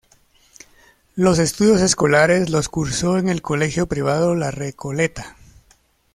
Los estudios escolares los cursó en el colegio privado La Recoleta.